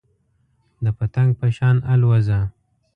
د پتنګ په شان الوځه .